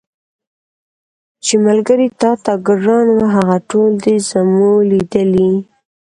چي ملګري تاته ګران وه هغه ټول دي زمولېدلي